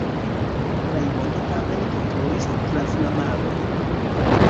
Rajmondo tamen veturis trans la maron.